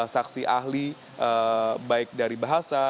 saksi ahli baik dari bahasa